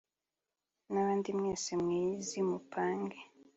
n’abandi mwese mwiyizi mupange